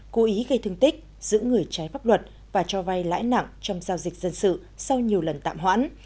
cố ý gây thương tích giữ người trái pháp luật và cho vay lãi nặng trong giao dịch dân sự sau nhiều lần tạm hoãn